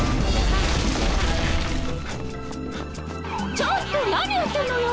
ちょっと何やってんのよ。